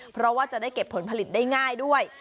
เพราะว่าจะได้เก็บผลผลิตได้ง่ายด้วย